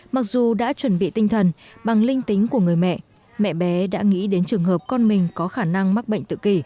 mặc dù đã chuẩn bị tinh thần